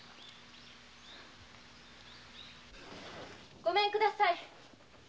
・ごめんください。